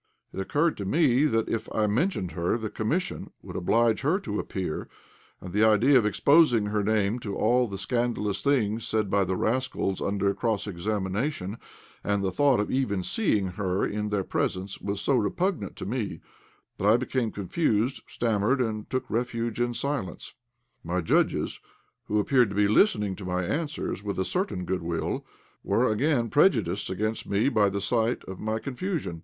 It occurred to me that if I mentioned her, the Commission would oblige her to appear; and the idea of exposing her name to all the scandalous things said by the rascals under cross examination, and the thought of even seeing her in their presence, was so repugnant to me that I became confused, stammered, and took refuge in silence. My judges, who appeared to be listening to my answers with a certain good will, were again prejudiced against me by the sight of my confusion.